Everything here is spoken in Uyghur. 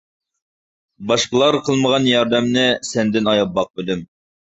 باشقىلارغا قىلمىغان ياردەمنى سەندىن ئاياپ باقمىدىم.